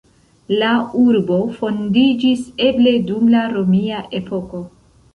La urbo fondiĝis eble dum la romia epoko.